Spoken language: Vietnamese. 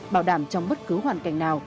bảo đảm trong bất cứ hoàn cảnh nào